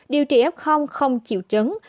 điều trị f không chịu chứng